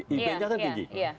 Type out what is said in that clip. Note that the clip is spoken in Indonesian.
ipnya kan tinggi